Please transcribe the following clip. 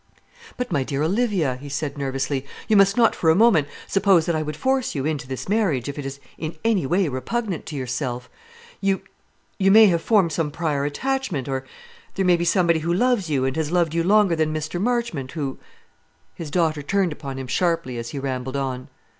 "But, my dear Olivia," he said nervously, "you must not for a moment suppose that I would force you into this marriage, if it is in any way repugnant to yourself. You you may have formed some prior attachment or, there may be somebody who loves you, and has loved you longer than Mr. Marchmont, who " His daughter turned upon him sharply as he rambled on.